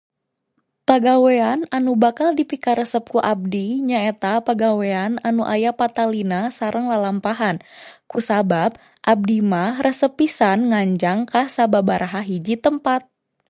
Pagawean anu bakal dipikaresep ku abdi nyaeta pagawean anu aya patalina sareng lalampahan, kusabab abdi mah resep pisan nganjang ka sababaraha hiji tempat